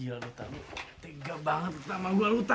gila luta tiga banget pertama gue luta